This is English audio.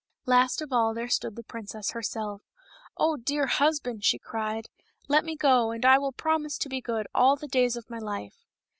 Last of all, there stood the princess herself. " Oh, dear husband !*' she cried, " let me go, and I will promise to be good all the days of my life."